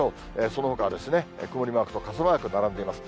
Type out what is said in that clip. そのほかは曇りマークと傘マーク並んでいます。